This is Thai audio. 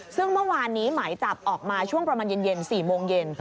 ซึ่งเมื่อวานนี้หมายจับออกมาช่วงประมาณเย็น๔โมงเย็น